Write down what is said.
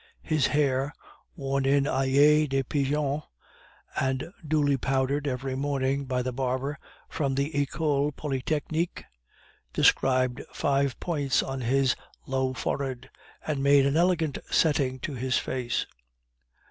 His hair, worn in ailes de pigeon, and duly powdered every morning by the barber from the Ecole Polytechnique, described five points on his low forehead, and made an elegant setting to his face.